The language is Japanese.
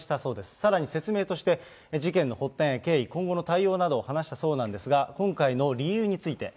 さらに説明として、事件の発端や経緯、今後の対応などを話したそうなんですが、今回の理由について。